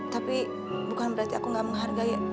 tapi bukan berarti aku gak menghargai